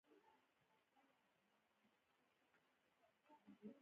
د جنګ ژبه یوازې ویرانی راوړي.